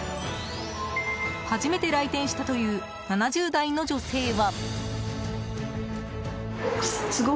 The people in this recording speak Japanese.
初めて来店したという７０代の女性は。